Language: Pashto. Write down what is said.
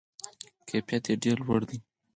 کیفیت یې ډیر لوړ دی.